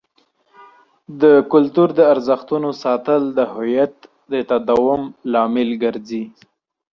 د کلتور د ارزښتونو ساتل د هویت د تداوم لامل ګرځي.